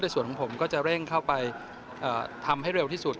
ส่วนของผมก็จะเร่งเข้าไปทำให้เร็วที่สุด